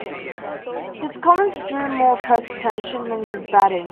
His comments drew more press attention than his batting.